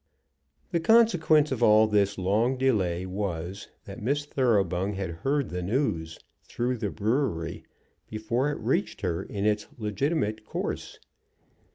The consequence of all this long delay was, that Miss Thoroughbung had heard the news, through the brewery, before it reached her in its legitimate course.